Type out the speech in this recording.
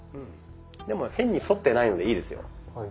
でも変に反ってないのでいいですよ。